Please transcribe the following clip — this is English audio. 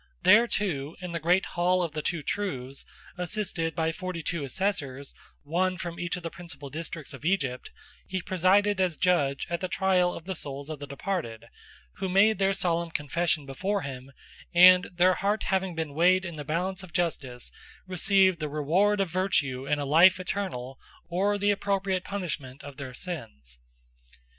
There, too, in the great Hall of the Two Truths, assisted by forty two assessors, one from each of the principal districts of Egypt, he presided as judge at the trial of the souls of the departed, who made their solemn confession before him, and, their heart having been weighed in the balance of justice, received the reward of virtue in a life eternal or the appropriate punishment of their sins.